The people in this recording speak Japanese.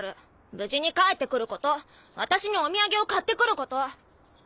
無事に帰って来ること私にお土産を買って来ること。